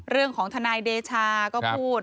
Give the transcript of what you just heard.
เรื่องของธนายเดชาก็พูด